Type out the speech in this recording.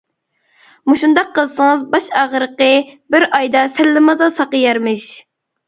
مۇشۇنداق قىلسىڭىز باش ئاغرىقى بىر ئايدا سەللىمازا ساقىيارمىش.